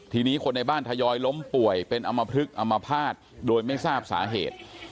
ทีนี้คนในบ้านทยอยล้มป่วยเป็นอำมพลึกอมภาษณ์โดยไม่ทราบสาเหตุ